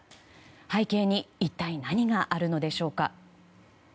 背景に一体何があるのでしょうか。